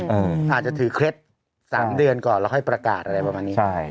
อาจจะถือเคล็ด๓เดือนก่อนแล้วค่อยประกาศอะไรประมาณนี้ใช่